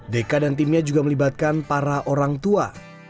deka dan timnya juga melibatkan para orang tua